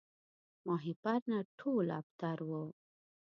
ماهیپر نه ټول ابتر وو